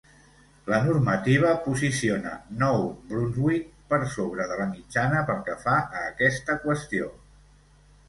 La normativa posiciona Nou Brunswick per sobre de la mitjana pel que fa a aquesta qüestió.